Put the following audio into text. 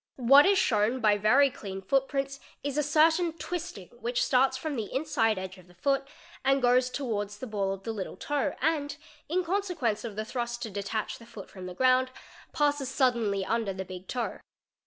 What is shown by very clean footprints is a certain twisting which starts from the inside edge of the foot and goes towards the ball of the little toe and, in consequence of the thrust to 2 Sse detatch the foot from the ground, passes suddenly under the big toe.